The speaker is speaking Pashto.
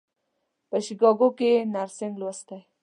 په شیکاګو کې یې نرسنګ لوستی.